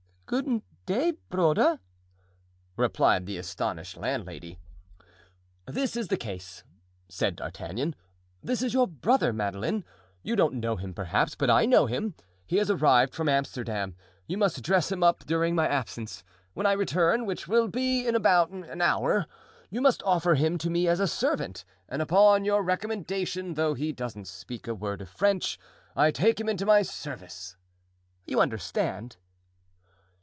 "Goeden day, broder," replied the astonished landlady. "This is the case," said D'Artagnan; "this is your brother, Madeleine; you don't know him perhaps, but I know him; he has arrived from Amsterdam. You must dress him up during my absence. When I return, which will be in about an hour, you must offer him to me as a servant, and upon your recommendation, though he doesn't speak a word of French, I take him into my service. You understand?"